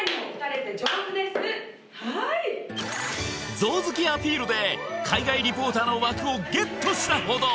ゾウ好きアピールで海外リポーターの枠をゲットしたほど！